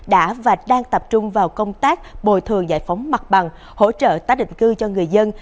đã và đang tập trung vào công tác bồi thường giải phóng mặt bằng hỗ trợ tái định cư cho người dân